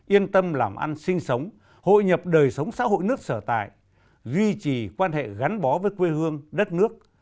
yên tâm làm ăn sinh sống hội nhập đời sống xã hội nước sở tại duy trì quan hệ gắn bó với quê hương đất nước